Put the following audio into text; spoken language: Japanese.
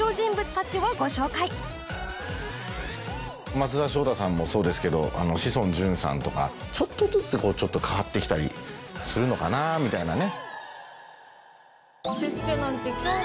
松田翔太さんもそうですけど志尊淳さんとかちょっとずつ変わって来たりするのかなみたいなね。